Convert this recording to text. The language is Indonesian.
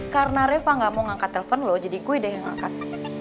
karena reva ga mau ngangkat telfon lo jadi gue deh yang angkat